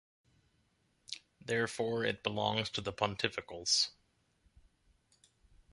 Therefore it belongs to the pontificals.